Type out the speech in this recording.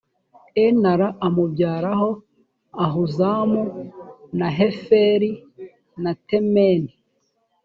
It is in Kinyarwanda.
n ra amubyaraho ahuzamu na heferi na temeni